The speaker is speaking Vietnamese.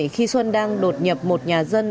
khi xuân đang đột nhập một nhà dân